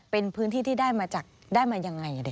เป็นพื้นที่ที่ได้มาจากได้มายังไง